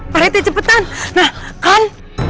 parete cepetan nah kan